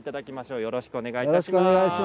よろしくお願いします。